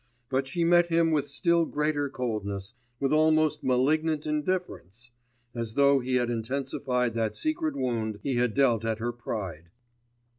But she met him with still greater coldness, with almost malignant indifference; as though he had intensified that secret wound he had dealt at her pride....